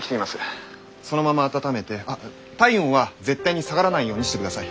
そのまま温めてあっ体温は絶対に下がらないようにしてください。